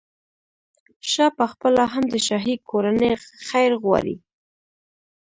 شاه پخپله هم د شاهي کورنۍ خیر غواړي.